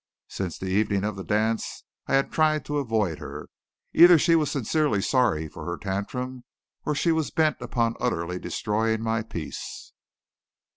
Since the evening of the dance I had tried to avoid her. Either she was sincerely sorry for her tantrum or she was bent upon utterly destroying my peace.